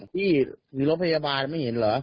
พี่มีรถพยาบาลไม่เห็นเหรอ